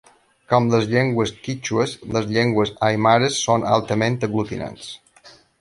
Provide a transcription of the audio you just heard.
Com les llengües quítxues, les llengües aimares són altament aglutinants.